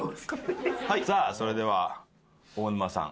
さあそれでは大沼さん。